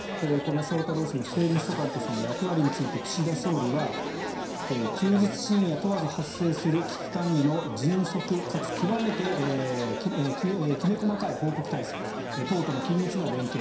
翔太郎氏の政務秘書官としての役割について岸田総理は休日・深夜問わず発生する危機管理の迅速かつきめ細かい報告態勢党との緊密な連携